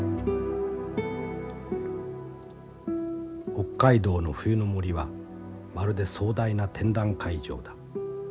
「北海道の冬の森はまるで壮大な展覧会場だ。